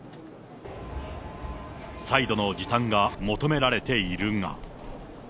再度の時短が求められているが。